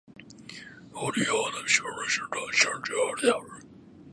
ハリヤーナー州の州都はチャンディーガルである